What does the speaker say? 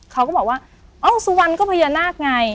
เขาก็บอกว่าเอ้าสุวรรณก็พญานาคไง